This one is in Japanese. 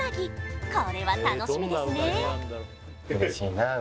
これは楽しみですね！